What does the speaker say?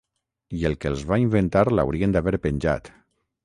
I el que els va inventar l'haurien d'haver penjat.